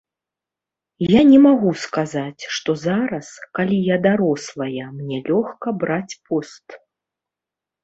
Я не магу сказаць, што зараз, калі я дарослая, мне лёгка браць пост.